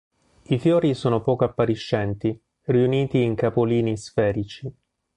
I fiori sono poco appariscenti, riuniti in capolini sferici.